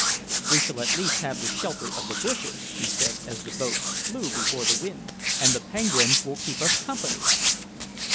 "We shall at least have the shelter of the bushes," he said as the boat flew before the wind, "and the penguins will keep us company."